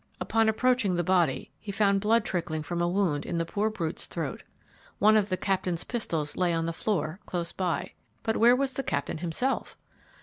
Upon approaching the body he found blood trickling from a wound in the poor brute's throat. One of the Captain's pistols lay on the floor, close by. But where was the Captain himself?